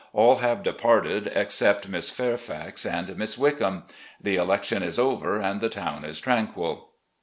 All have departed except Miss Fairfax and Miss Wickham. The election is over and the town is tranquil."